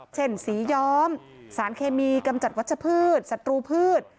เช่นสีย้อมสารเคมีกำจัดวัชพืชศัตรูพืช